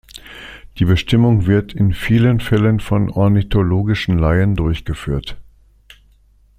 Die Bestimmung wird in vielen Fällen von ornithologischen Laien durchgeführt.